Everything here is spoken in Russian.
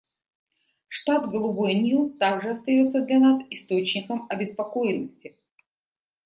Штат Голубой Нил также остается для нас источником обеспокоенности.